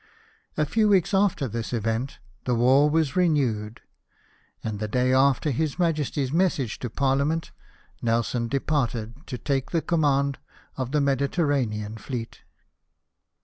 A few weeks after this event the war was renewed ; and the day after His Majesty's message to Parliament, Nelson departed to take the command of the Mediterranean fleet.